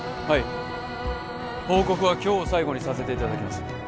はい報告は今日を最後にさせていただきます